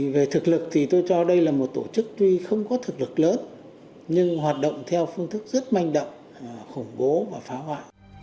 về thực lực thì tôi cho đây là một tổ chức tuy không có thực lực lớn nhưng hoạt động theo phương thức rất manh động khủng bố và phá hoại